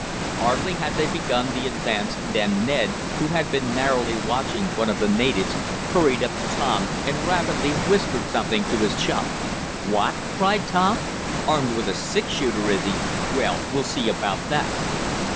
Hardly had they begun the advance than Ned, who had been narrowly watching one of the natives, hurried up to Tom, and rapidly whispered something to his chum. "What?" cried Tom. "Armed with a six shooter, is he? Well, we'll see about that!